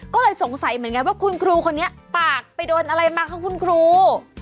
ก็เลยสงสัยเหมือนกันว่าคุณครูคนนี้ปากไปโดนอะไรมาคะคุณครู